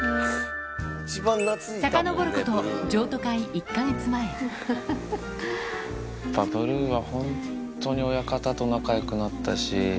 さかのぼること譲渡会１か月ブルーは本当に親方と仲よくなったし。